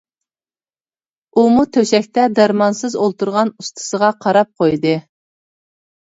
ئۇمۇ تۆشەكتە دەرمانسىز ئولتۇرغان ئۇستىسىغا قاراپ قويدى.